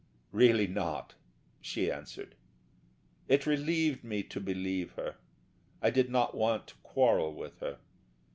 "Really not," she answered. It relieved me to believe her. I did not want to quarrel with her.